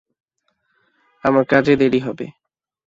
আমার কাজে দেরি হবে।